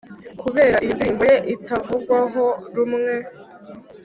Kubera iyo ndirimbo ye itavugwaho rumwe